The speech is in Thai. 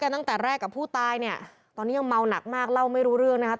เห็นอยู่ผ้าปืนมาเล่นหรอ